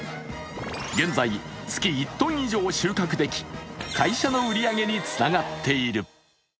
現在月１ｔ以上収穫でき会社の売り上げにつながっている。